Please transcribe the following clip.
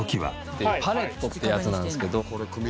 パレットってやつなんですけど。